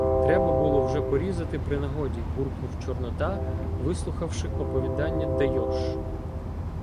— Треба було вже порізати при нагоді, — буркнув Чорнота, вислухавши оповідання Дайош.